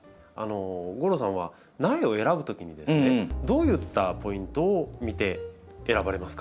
吾郎さんは苗を選ぶときにですねどういったポイントを見て選ばれますか？